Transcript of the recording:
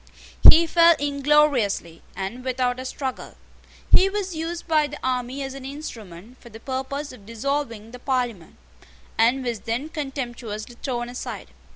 He fell ingloriously, and without a struggle. He was used by the army as an instrument for the purpose of dissolving the Parliament, and was then contemptuously thrown aside.